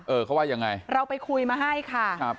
เออเขาว่ายังไงเราไปคุยมาให้ค่ะครับ